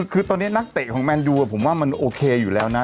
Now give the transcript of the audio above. คือตอนนี้นักเตะของแมนยูผมว่ามันโอเคอยู่แล้วนะ